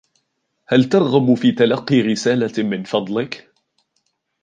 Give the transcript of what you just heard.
هل ترغب في تلقي رسالة من فضلك؟